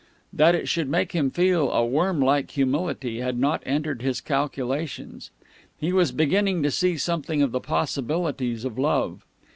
That it should make him feel a worm like humility had not entered his calculations. He was beginning to see something of the possibilities of love.